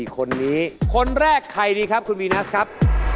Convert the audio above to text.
คนนี้คนแรกใครดีครับคุณวีนัสครับ